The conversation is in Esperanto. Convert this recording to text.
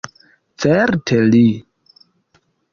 Certe, li.